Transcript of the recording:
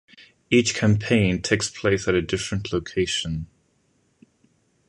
Each campaign takes place at a different location.